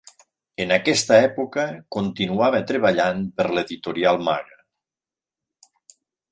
En aquesta època continuava treballant per l'editorial Maga.